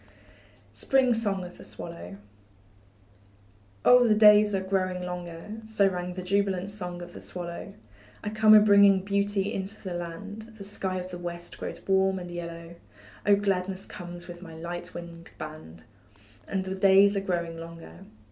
SPRING SONG OF THE SWALLOW. Oh, the days are growing longer; So rang the jubilant song of the swallow; I come a bringing beauty into the land, The sky of the West grows warm and yellow, Oh, gladness comes with my light winged band, And the days are growing longer.